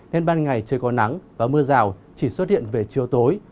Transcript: nên ban ngày trời có nắng và mưa rào chỉ xuất hiện về chiều tối